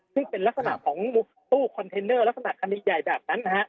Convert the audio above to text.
ซึ่งเป็นลักษณะของตู้คอนเทนเนอร์ลักษณะคดีใหญ่แบบนั้นนะฮะ